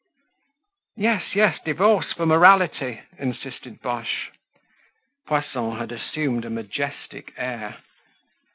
"Yes, yes, divorce for morality!" insisted Boche. Poisson had assumed a majestic air.